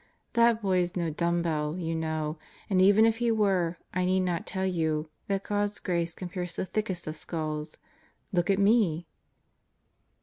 That boy is no dumbbell, you know; and even if he were, I need not tell you, that God's grace can pierce the thickest of skulls. Look at me!"